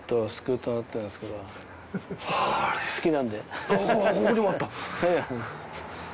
好きなので。